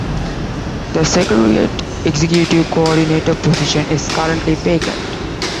The Secretariat's Executive Coordinator position is currently vacant.